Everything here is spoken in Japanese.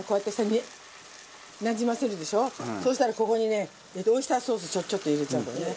そしたらここにねオイスターソースチョッチョッと入れちゃうからね。